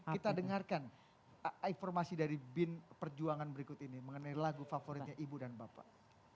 kita dengarkan informasi dari bin perjuangan berikut ini mengenai lagu favoritnya ibu dan bapak